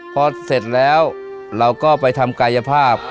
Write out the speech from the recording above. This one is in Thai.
พอเสร็จแล้วเราก็ไปทำกายภาพ